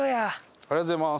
ありがとうございます。